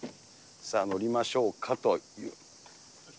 さあ、乗りましょうかと。